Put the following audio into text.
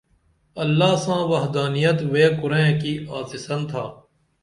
اللہ ساں وحدانیت وے کُرئیں کی آڅِسن تھا